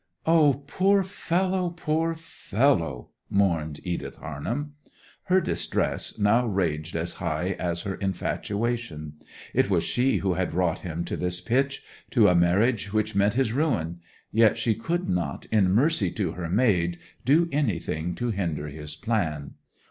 'O—poor fellow, poor fellow!' mourned Edith Harnham. Her distress now raged as high as her infatuation. It was she who had wrought him to this pitch—to a marriage which meant his ruin; yet she could not, in mercy to her maid, do anything to hinder his plan.